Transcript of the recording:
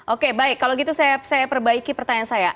oke baik kalau gitu saya perbaiki pertanyaan saya